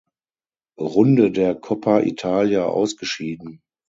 Runde der Coppa Italia ausgeschieden.